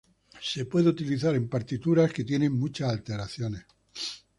Se puede utilizar en partituras que tienen muchas alteraciones.